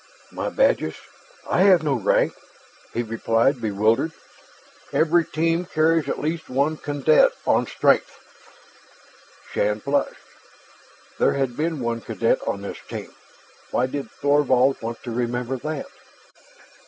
"My badges? I have no rank," he replied, bewildered. "Every team carries at least one cadet on strength." Shann flushed. There had been one cadet on this team; why did Thorvald want to remember that?